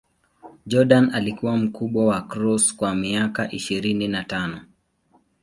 Jordan alikuwa mkubwa wa Cross kwa miaka ishirini na tano.